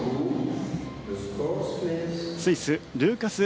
スイスルーカス